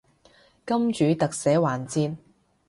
金主特寫環節